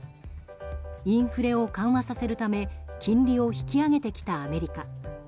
インフレを緩和させるため金利を引き上げてきたアメリカ。